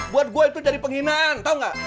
buat gue itu jadi penghinaan tau gak